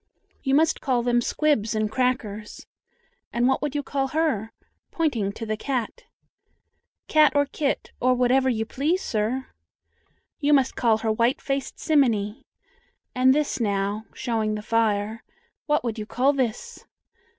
"You must call them 'squibs and crackers,' And what would you call her?" pointing to the cat. "Cat or kit, or whatever you please, sir." "You must call her 'white faced simminy.' And this, now," showing the fire, "what would you call this?"